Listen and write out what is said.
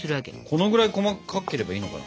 このぐらい細かければいいのかな？